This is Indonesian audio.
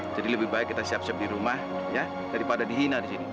jadi lebih baik kita siap siap di rumah ya daripada dihina disini